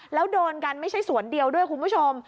แล้วโดนกันไม่ใช่สวนเดียวด้วยคุณผู้ชม